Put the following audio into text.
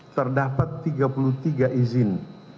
terdapat tiga puluh tiga izin